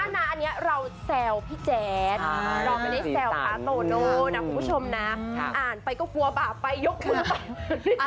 นี่อ่านไปก็กลัวบาปไปยกมือไป